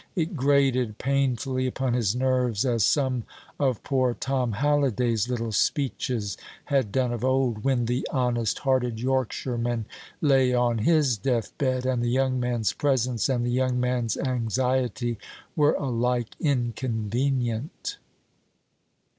It grated painfully upon his nerves, as some of poor Tom Halliday's little speeches had done of old, when the honest hearted Yorkshireman lay on his deathbed; and the young man's presence and the young man's anxiety were alike inconvenient.